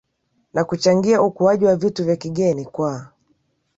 na kuchangia ukuaji wa vitu vya kigeni Kwa